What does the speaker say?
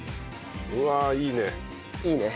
うわあいいね。